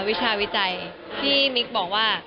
วิชาวิจัยที่มิ๊กบอกว่า